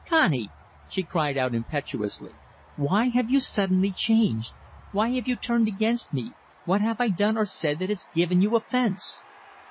"Connie," she cried out impetuously, "why have you suddenly changed? Why have you turned against me? What have I done or said that has given you offence?"